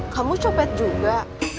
kamu copet juga